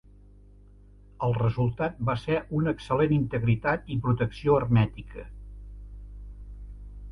El resultat va ser una excel·lent integritat i protecció hermètica.